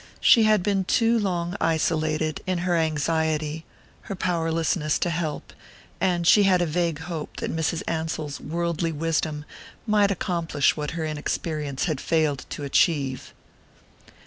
She had been too long isolated in her anxiety, her powerlessness to help; and she had a vague hope that Mrs. Ansell's worldly wisdom might accomplish what her inexperience had failed to achieve.